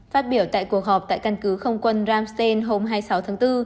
phát biểu tại cuộc họp tại căn cứ không quân ramsten hôm hai mươi sáu tháng bốn